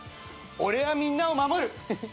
俺はみんなを守る。